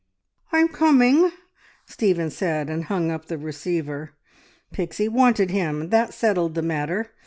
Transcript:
"I'm coming!" Stephen said, and hung up the receiver. Pixie wanted him, that settled the matter.